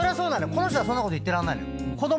この人はそんなこと言ってらんないのよ。